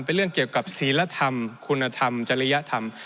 เป็นเรื่องเกี่ยวกับศิลธรรมคุณธรรมจริยธรรม